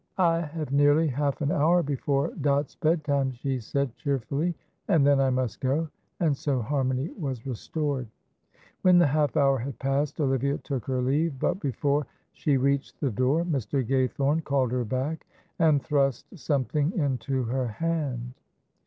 "I have nearly half an hour before Dot's bedtime," she said, cheerfully, "and then I must go," and so harmony was restored. When the half hour had passed, Olivia took her leave, but before she reached the door, Mr. Gaythorne called her back and thrust something into her hand.